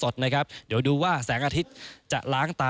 เดี๋ยวเจอกัน